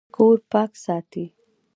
کور پاک ساتئ